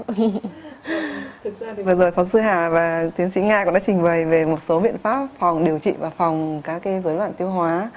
thực ra thì vừa rồi phó sư hà và tiến sĩ nga cũng đã trình bày về một số biện pháp phòng điều trị và phòng các dối loạn tiêu hóa